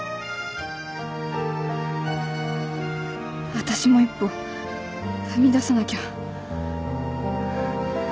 私も一歩踏み出さなきゃ。